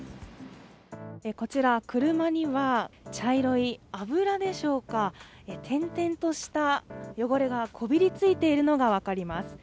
こちら、車には茶色い油でしょうか、点々とした汚れが、こびりついているのが分かります。